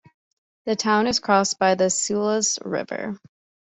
The town is crossed by the Seulles river.